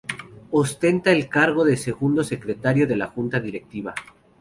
Ostenta el cargo de Segundo Secretario de la Junta Directiva.